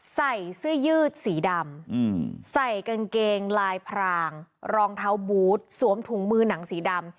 ใส่เสื้อยืดสีดำใส่กางเกงลายพรางรองเท้าบูธสวมถุงมือหนังสีดำ